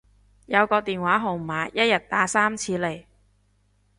有個電話號碼一日打三次嚟